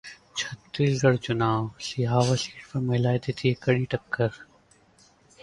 छत्तीसगढ़ चुनाव: सिहावा सीट पर महिलाएं देती हैं कड़ी टक्कर!